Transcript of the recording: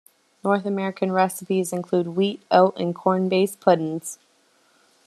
North American recipes include wheat, oat, and corn-based puddings.